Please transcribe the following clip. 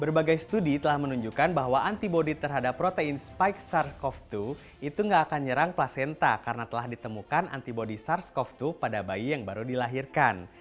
berbagai studi telah menunjukkan bahwa antibody terhadap protein spike sars cov dua itu tidak akan nyerang placenta karena telah ditemukan antibody sars cov dua pada bayi yang baru dilahirkan